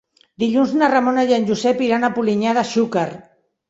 Dilluns na Ramona i en Josep iran a Polinyà de Xúquer.